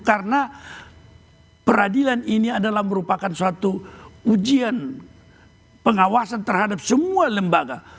karena peradilan ini adalah merupakan suatu ujian pengawasan terhadap semua lembaga